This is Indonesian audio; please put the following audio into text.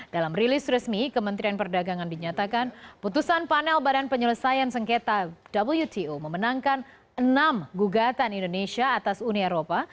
dalam rilis resmi kementerian perdagangan dinyatakan putusan panel badan penyelesaian sengketa wto memenangkan enam gugatan indonesia atas uni eropa